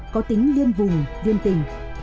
có tính liên vùng viên tình